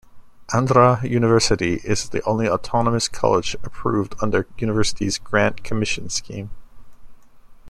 Andhra University is the only autonomous college approved under "Universities Grant Commission" scheme.